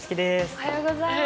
おはようございます。